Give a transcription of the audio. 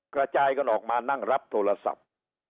กระจายกันออกมานั่งรับโทรศัพท์